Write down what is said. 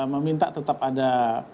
meminta tetap ada